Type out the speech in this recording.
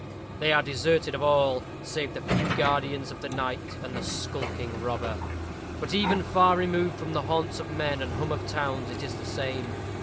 They are deserted of all, save the few guardians of the night and the skulking robber. But even far removed from the haunts of men and hum of towns it is the same.